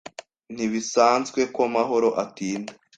Ntibisanzwe ko mahoro atinda.